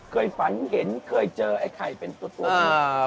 เคยฟันเห็นเคยเจอไอไข่เป็นตัวเดียว